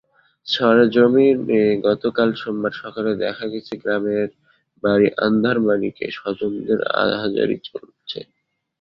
সরেজমিনে গতকাল সোমবার সকালে দেখা গেছে, গ্রামের বাড়ি আন্ধারমানিকে স্বজনদের আহাজারি চলছে।